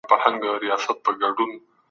ښوونځی د زدهکوونکو د ژوند لومړنۍ تجربه ده.